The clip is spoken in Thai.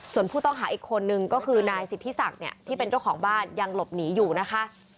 ส่วนผู้ต้องหาอีกคนนึงก็คือนายสิทธิศักดิ์เนี่ยที่เป็นเจ้าของบ้านยังหลบหนีอยู่นะคะ